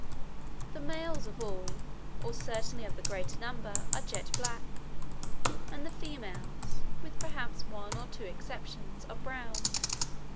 The males of all, or certainly of the greater number, are jet black; and the females (with perhaps one or two exceptions) are brown.